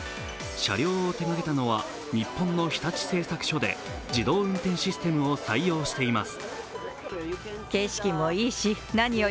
車両を手がけたのは、日本の日立製作所で、自動運転システムを採用しています。